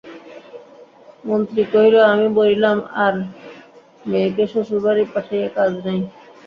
মন্ত্রী কহিল, আমি বলিলাম, আর মেয়েকে শ্বশুরবাড়ি পাঠাইয়া কাজ নাই।